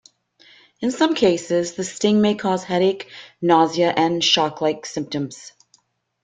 In some cases, the sting may cause headache, nausea, and shock-like symptoms.